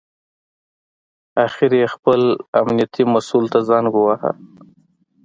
اخر یې خپل امنیتي مسوول ته زنګ وواهه.